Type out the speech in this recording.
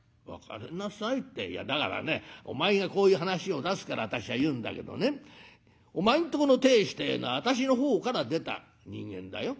「いやだからねお前がこういう話を出すから私は言うんだけどねお前んとこの亭主ってえのは私の方から出た人間だよ。